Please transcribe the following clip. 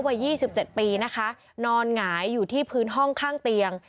วัย๒๗ปีนะคะนอนหงายอยู่ที่พื้นห้องข้างเตียง